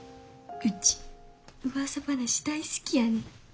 ウチうわさ話大好きやねん。